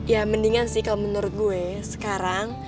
ya mendingan sih kalau menurut gue sekarang